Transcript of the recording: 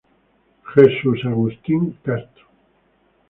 Jesús Agustín Castro.